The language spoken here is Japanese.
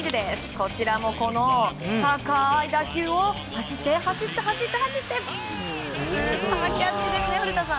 こちらもこの高い打球を走って、走ってスーパーキャッチですね古田さん！